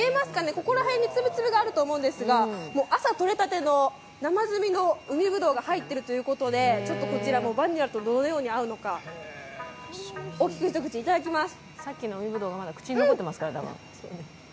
ここら辺につぶつぶがあると思うんですが朝とれたての生づみの海ぶどうが入っているということで、こちらもバニラとどのように合うのか大きい１口、いただきます。